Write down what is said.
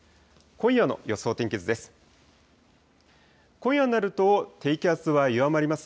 今夜の予想天気図です。